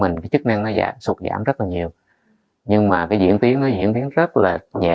bệnh phổi chức năng nó giả sụt giảm rất là nhiều nhưng mà cái diễn tiến nó diễn biến rất là nhẹ